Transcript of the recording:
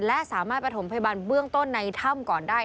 และสามารถประถมพยาบาลเบื้องต้นในถ้ำก่อนได้